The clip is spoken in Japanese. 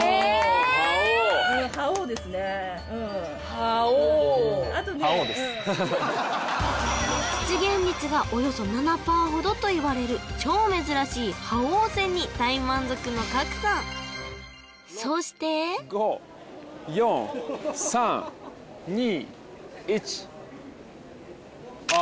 覇王出現率がおよそ７％ほどといわれる超珍しい覇王線に大満足の賀来さんそして４３２１ああ